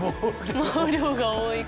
毛量が多い。